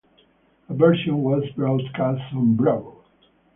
A version was broadcast on Bravo!